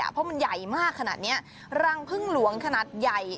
เพราะมันใหญ่มากขนาดนี้รังพึ่งหลวงขนาดใหญ่